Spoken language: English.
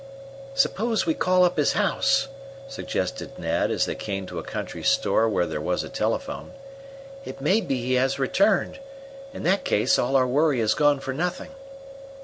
"Suppose we call up his home," suggested Ned, as they came to a country store where there was a telephone. "It may be he has returned. In that case, all our worry has gone for nothing."